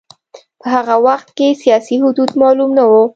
په هغه وخت کې سیاسي حدود معلوم نه و.